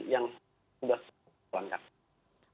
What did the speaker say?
yang sudah berlangganan